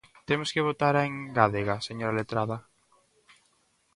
¿Temos que votar a engádega, señora letrada?